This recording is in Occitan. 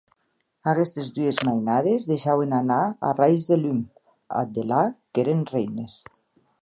Aguestes dues mainades deishauen anar arrais de lum; ath delà, qu’èren reines.